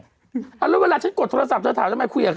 แล้วเวลาฉันกดโทรศัพท์เธอถามทำไมคุยกับใคร